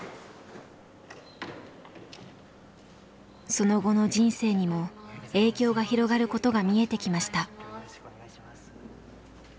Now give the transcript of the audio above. その後の人生にも影響が広がることが見えてきました。